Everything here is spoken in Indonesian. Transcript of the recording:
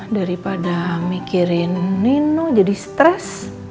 daripada mikirin nino jadi stres